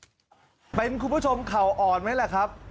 เพราะงั้นคุณผู้ชมเข่าอ่อนไหมครับ